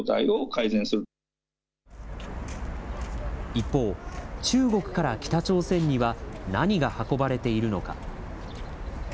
一方、中国から北朝鮮には何が運ばれているのか。